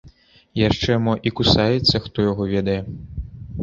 Яшчэ мо і кусаецца, хто яго ведае.